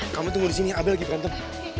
kamu tunggu di sini abel lagi berantem